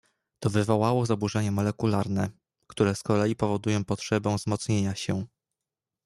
"To wywołało zaburzenia molekularne, które z kolei powodują potrzebę wzmocnienia się."